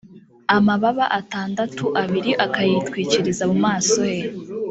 amababa atandatu abiri akayatwikiriza mu maso he